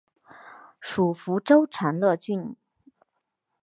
属福州长乐郡。